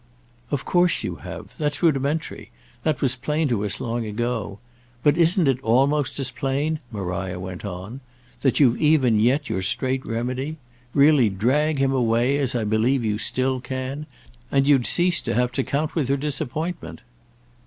"Of course you have. That's rudimentary; that was plain to us long ago. But isn't it almost as plain," Maria went on, "that you've even yet your straight remedy? Really drag him away, as I believe you still can, and you'd cease to have to count with her disappointment."